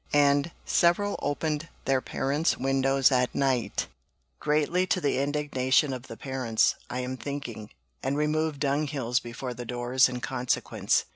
And several opened their parents' windows at night (greatly to the indignation of the parents, I am thinking), and removed dung hills before the doors in consequence."